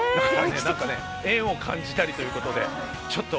なんかね、縁を感じたりということで。